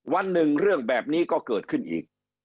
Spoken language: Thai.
วันหนึ่งเรื่องแบบนี้ก็เกิดขึ้นอีก